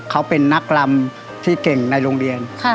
เขาเป็นนักรำที่เก่งในโรงเรียน